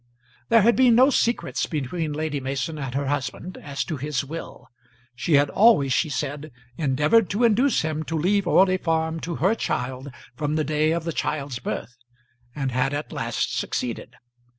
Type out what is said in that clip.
There had been no secrets between Lady Mason and her husband as to his will. She had always, she said, endeavoured to induce him to leave Orley Farm to her child from the day of the child's birth, and had at last succeeded.